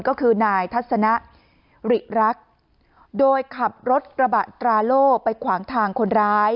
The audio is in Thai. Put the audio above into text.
ก็คือนายทัศนะริรักษ์โดยขับรถกระบะตราโล่ไปขวางทางคนร้าย